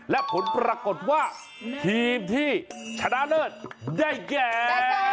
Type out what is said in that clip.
และผลปรากฏว่าทีมที่ชนะเลิศได้แก่